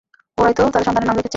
ওরাই তো তাদের সন্তানের নাম রেখেছে।